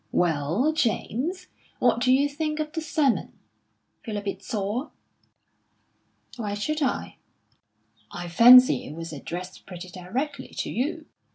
"Well, James, what did you think of the sermon? Feel a bit sore?" "Why should I?" "I fancy it was addressed pretty directly to you."